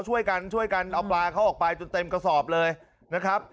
ช่วยกันช่วยกันเอาปลาเขาออกไปจนเต็มกระสอบเลยนะครับ